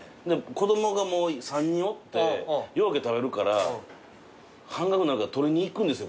子供が３人おってようけ食べるから半額になるから取りに行くんですよ